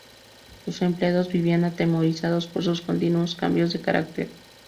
Sus empleados vivían atemorizados por sus continuos cambios de carácter.